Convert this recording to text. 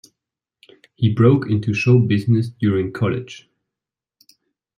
He broke into show business during college.